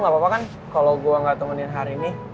gak apa apa kan kalau gue gak temenin hari ini